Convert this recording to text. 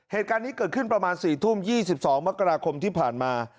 เหตุการณ์นี้เกิดขึ้นประมาณ๔ทุ่ม๒๒มกราคมที่ผ่านมา